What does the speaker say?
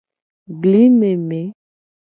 Bli meme.